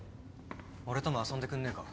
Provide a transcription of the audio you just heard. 俺とも遊んでくんねえか？